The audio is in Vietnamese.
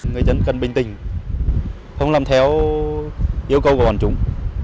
người dân cần bình tĩnh không làm theo yêu cầu của bọn chúng